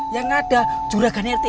yang ada curahkan rt